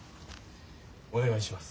お願いします。